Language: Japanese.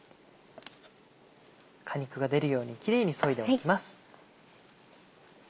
果肉が出るようにキレイにそいでおきます。